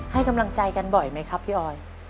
ให้กำลังใจกันบ่อยไหมครับพี่ออย